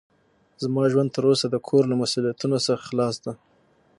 زما ژوند تر اوسه د کور له مسوؤليتونو څخه خلاص ده.